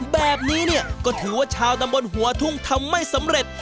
แบบนี้เนี่ยก็ถือว่าชาวตำบลหัวทุ่งทำไม่สำเร็จ